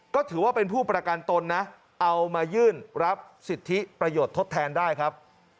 ก็ถือว่าเป็นผู้ประกันตนนะเอามายื่นรับสิทธิประโยชน์ทดแทนได้ครับ